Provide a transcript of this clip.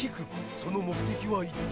その目的は一体。